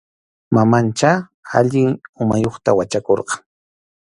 Mamanchá allin umayuqta wachakurqan.